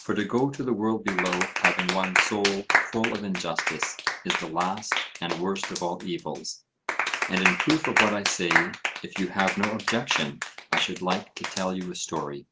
For to go to the world below having one's soul full of injustice is the last and worst of all evils. And in proof of what I say, if you have no objection, I should like to tell you a story.